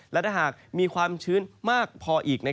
และถ้าหากมีความชื้นมากพออีก